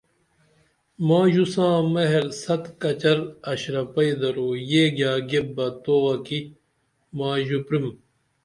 مائی ژو ساں مہر ست کچر اشرپئی درو یہ گیاگیپ بہ توہ کی مائی ژو پریم